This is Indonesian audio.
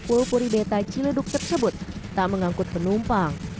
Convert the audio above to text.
pulpuri beta ciledug tersebut tak mengangkut penumpang